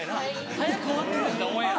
早く終わってほしいオンエア。